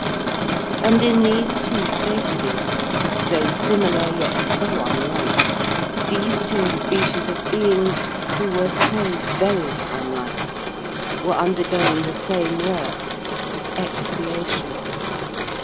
And in these two places, so similar yet so unlike, these two species of beings who were so very unlike, were undergoing the same work, expiation.